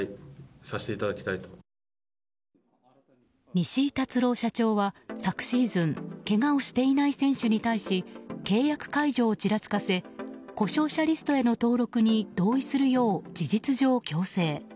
西井辰朗社長は、昨シーズンけがをしていない選手に対し契約解除をちらつかせ故障者リストへの登録に同意するよう事実上強制。